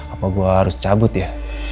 apa gue harus cabut ya